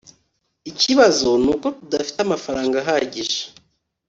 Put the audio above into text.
ikibazo nuko tudafite amafaranga ahagije